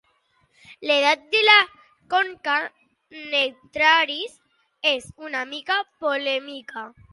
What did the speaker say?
L'edat de la conca Nectaris és una mica polèmica.